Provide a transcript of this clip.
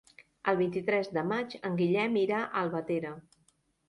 El vint-i-tres de maig en Guillem irà a Albatera.